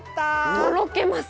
とろけます！